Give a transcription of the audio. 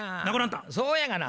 そうやがな。